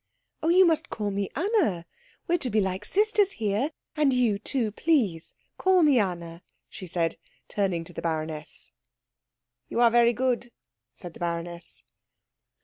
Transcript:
"Oh, you must call me Anna. We are to be like sisters here and you, too, please, call me Anna," she said, turning to the baroness. "You are very good," said the baroness.